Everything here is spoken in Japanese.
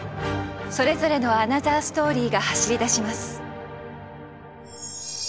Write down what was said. それぞれのアナザーストーリーが走り出します。